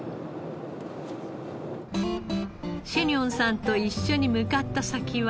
シェニョンさんと一緒に向かった先は。